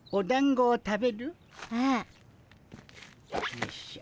よいしょ。